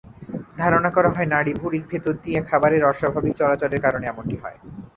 ধারণা করা হয়, নাড়িভুঁড়ির ভেতর দিয়ে খাবারের অস্বাভাবিক চলাচলের কারণে এমনটি হয়।